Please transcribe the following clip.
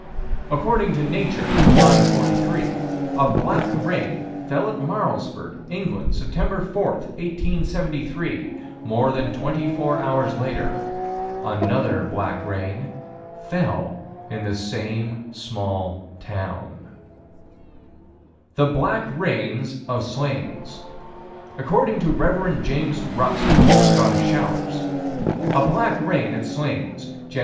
According to Nature, 9 43, a black rain fell at Marlsford, England, Sept. 4, 1873; more than twenty four hours later another black rain fell in the same small town. The black rains of Slains: According to Rev. James Rust (Scottish Showers): A black rain at Slains, Jan.